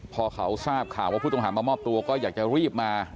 พอเขาทราบข่าวว่าผู้ต้องหามามอบตัวก็อยากจะรีบมา